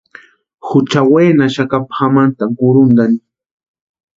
Jucha wenaxaka pʼamantani kʼurhuntani.